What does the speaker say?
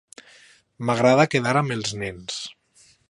M'agrada quedar amb els nens.